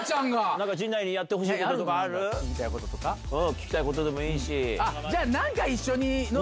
聞きたいことでもいいし。